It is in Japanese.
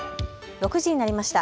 ６時になりました。